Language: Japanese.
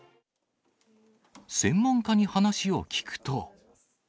専門家に話を聞くと。